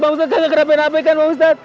bang ustadz nggak kena kena hape kan bang ustadz